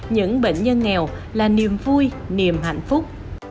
những bệnh nhân nghèo là niềm vui niềm hạnh phúc